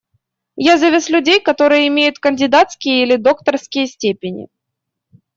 Я завез людей, которые имеют кандидатские или докторские степени.